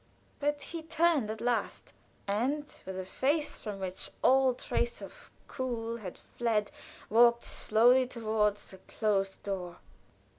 But he turned at last, and with a face from which all trace of color had fled walked slowly toward the closed door.